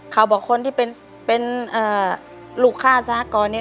เขาบอกคนที่เป็นลูกค่าสหกรณ์นี้